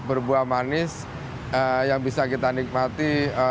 berbuah manis yang bisa kita nikmati